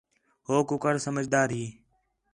ہو کُکڑ سمجھ دار ہی